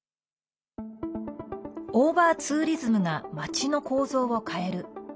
オーバーツーリズムがまちの構造を変える。